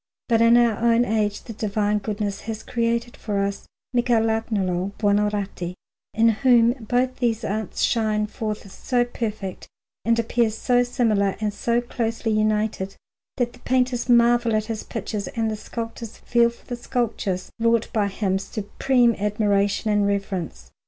But in our own age the Divine Goodness has created for us Michelagnolo Buonarroti, in whom both these arts shine forth so perfect and appear so similar and so closely united, that the painters marvel at his pictures and the sculptors feel for the sculptures wrought by him supreme admiration and reverence.